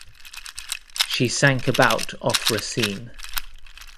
She sank about off Racine.